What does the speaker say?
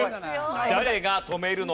誰が止めるのか？